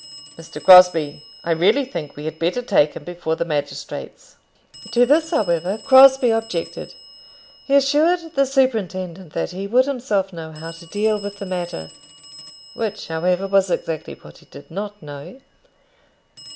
"Mr. Crosbie, I really think we had better take him before the magistrates." To this, however, Crosbie objected. He assured the superintendent that he would himself know how to deal with the matter which, however, was exactly what he did not know.